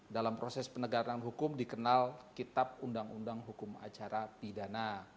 dalam proses penegakan hukum dikenal kitab undang undang hukum acara pidana